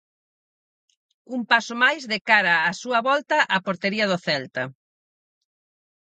Un paso máis de cara á súa volta á portería do Celta.